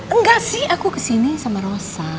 enggak sih aku kesini sama rosa